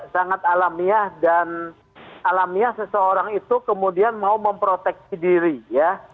sangat alamiah dan alamiah seseorang itu kemudian mau memproteksi diri ya